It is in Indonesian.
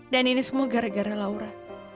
dan ini semua gara gara laura